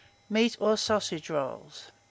MEAT OR SAUSAGE ROLLS. 1373.